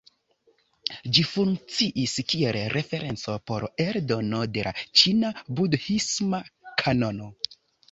Ĝi funkciis kiel referenco por la eldono de la ĉina budhisma kanono.